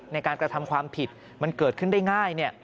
ในการกระทำความผิดมันเกิดขึ้นได้ง่าย